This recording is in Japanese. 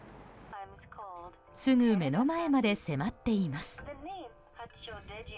すぐ目の前まで迫っています。